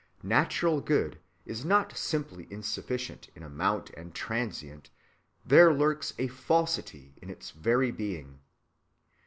Natural good is not simply insufficient in amount and transient, there lurks a falsity in its very being.